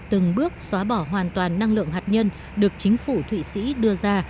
từng bước xóa bỏ hoàn toàn năng lượng hạt nhân được chính phủ thụy sĩ đưa ra